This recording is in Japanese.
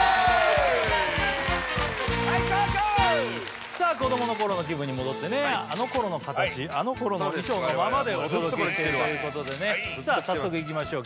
はいいこういこうさあ子どもの頃の気分に戻ってねあの頃の形あの頃の衣装のままでお届けしてるということでね早速いきましょう